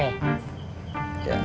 ya itu kenyataan